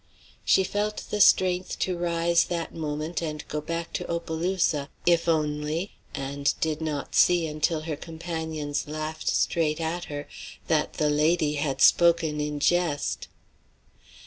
She felt the strength to rise that moment and go back to Opelousas, if only and did not see, until her companions laughed straight at her, that the lady had spoken in jest.